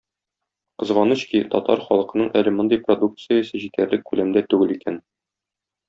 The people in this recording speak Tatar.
Кызганыч ки, татар халкының әле мондый продукциясе җитәрлек күләмдә түгел икән.